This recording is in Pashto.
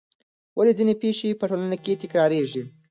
ولې ځینې پېښې په ټولنه کې تکراریږي؟